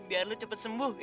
biar lo cepet sembuh ya